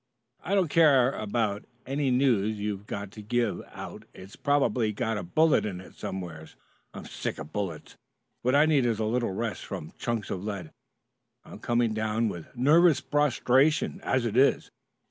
"I don't care about any news you've got to give out It's probably got a bullet in it somewhere. I'm sick of bullets. What I need is a little rest from chunks of lead. I'm coming down with nervous prostration as it is.